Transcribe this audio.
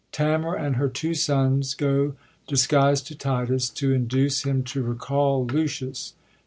Tamora and her two sons go disguised to Titus to induce him to recall Lucius.